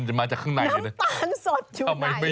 น้ำตาลสดอยู่ไหน